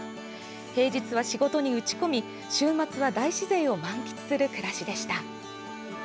平日は仕事に打ち込み、週末は大自然を満喫する暮らしでした。